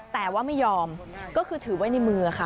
แต่ว่าไม่ยอมก็คือถือไว้ในมือค่ะ